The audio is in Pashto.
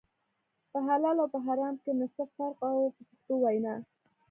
په حلال او په حرام کې نه څه فرق و په پښتو وینا.